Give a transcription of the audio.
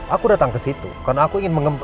aku dateng kesitu karena aku ingin mengembang